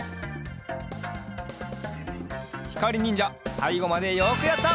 ひかりにんじゃさいごまでよくやった！